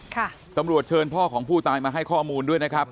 ตำรวจเชิญพ่อของผู้ตายมาให้ข้อมูลด้วยนะครับ